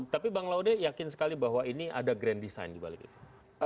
tapi bang laude yakin sekali bahwa ini ada grand design dibalik itu